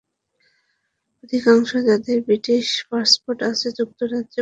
অধিকাংশই, যাদের British passport আছে, যুক্তরাজ্যে বসতি স্থাপন করেছেন।